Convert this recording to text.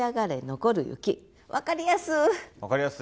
分かりやす。